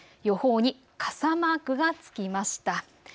予報に傘マークが付きました。